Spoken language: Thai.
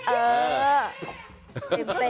เออ